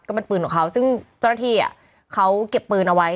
เจ้าหน้าที่เขาเก็บปืนเอาไว้